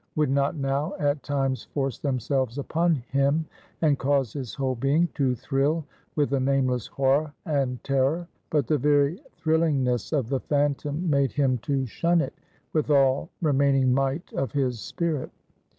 would not now at times force themselves upon him, and cause his whole being to thrill with a nameless horror and terror. But the very thrillingness of the phantom made him to shun it, with all remaining might of his spirit.